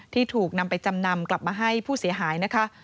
ที่ถูกนำไปจำนำกลับมาให้ผู้เสียหายนะคะ